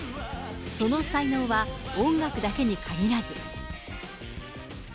その才能は音楽だけに限らず。